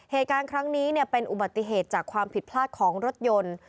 เหตุการณ์ครั้งนี้เป็นอุบัติเหตุจากความผิดพลาดของรถยนต์